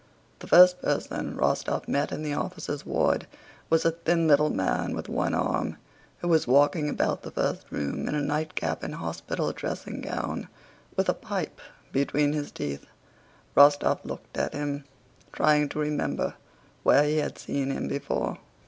The first person Rostóv met in the officers' ward was a thin little man with one arm, who was walking about the first room in a nightcap and hospital dressing gown, with a pipe between his teeth. Rostóv looked at him, trying to remember where he had seen him before.